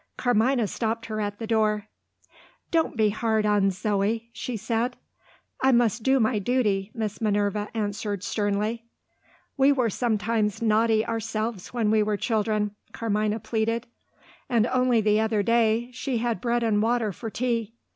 Carmina stopped her at the door. "Don't be hard on Zo!" she said. "I must do my duty," Miss Minerva answered sternly. "We were sometimes naughty ourselves when we were children," Carmina pleaded. "And only the other day she had bread and water for tea.